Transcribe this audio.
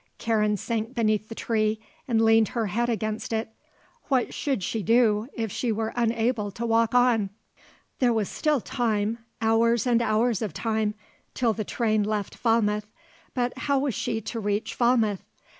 Karen sank beneath the tree and leaned her head against it. What should she do if she were unable to walk on? There was still time hours and hours of time till the train left Falmouth; but how was she to reach Falmouth?